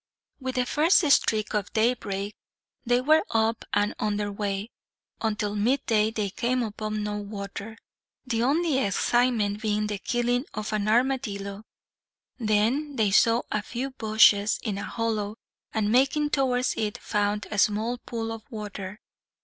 With the first streak of daybreak, they were up and on their way. Until midday they came upon no water, their only excitement being the killing of an armadillo. Then they saw a few bushes in a hollow and, making towards it, found a small pool of water.